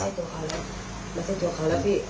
ตัวเขาแล้วไม่ใช่ตัวเขาแล้วพี่